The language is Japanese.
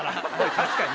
確かにね。